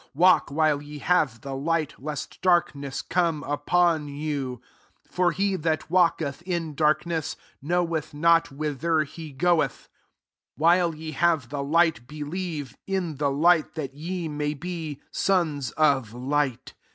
Walk while ye have the light, lest darkness come upon you : for he that walketh in darkness knoweth not whither he goeth. 36 While ye have the light, believe in the light, that ye may be sons of light."